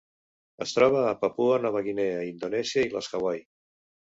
Es troba a Papua Nova Guinea, Indonèsia i les Hawaii.